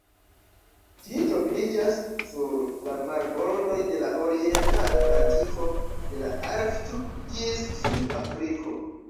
Ĝi troviĝas sur la marbordoj de la Orienta Atlantiko, de la Arkto ĝis Sud-Afriko.